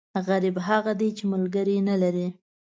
غریب هغه دی، چې ملکری نه لري.